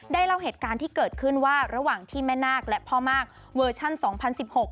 เล่าเหตุการณ์ที่เกิดขึ้นว่าระหว่างที่แม่นาคและพ่อมากเวอร์ชันสองพันสิบหก